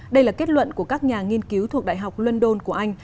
đây là kết luận của các nhà nghiên cứu thuộc đại học london của anh